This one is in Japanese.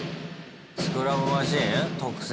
スクラムマシン？特製の。